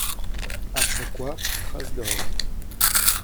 Après quoi, plus trace de rien.